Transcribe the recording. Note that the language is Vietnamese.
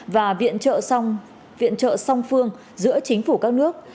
và viện trợ song phương giữa chính phủ các nước